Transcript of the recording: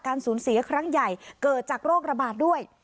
สูญเสียครั้งใหญ่เกิดจากโรคระบาดด้วย